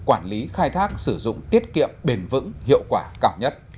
quản lý khai thác sử dụng tiết kiệm bền vững hiệu quả cao nhất